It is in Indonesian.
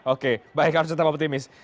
oke baik harus tetap optimis